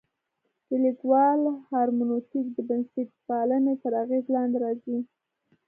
د لیکوال هرمنوتیک د بنسټپالنې تر اغېز لاندې راځي.